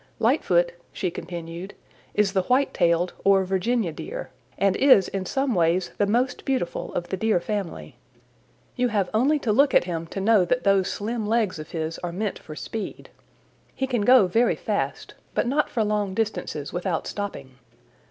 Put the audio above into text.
"Lightfoot," she continued, "is the White tailed or Virginia Deer, and is in some ways the most beautiful of the Deer family. You have only to look at him to know that those slim legs of his are meant for speed. He can go very fast, but not for long distances without stopping.